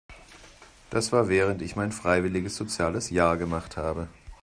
Das war während ich mein freiwilliges soziales Jahr gemacht habe.